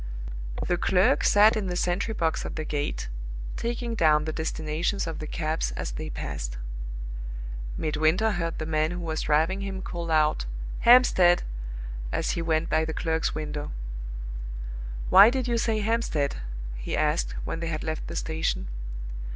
The clerk sat in the sentry box at the gate, taking down the destinations of the cabs as they passed. Midwinter heard the man who was driving him call out "Hampstead!" as he went by the clerk's window. "Why did you say 'Hampstead'?" he asked, when they had left the station.